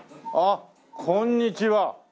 あっこんにちは。